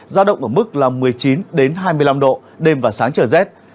giao động ở mức là một mươi chín hai mươi năm độ đêm và sáng trời rét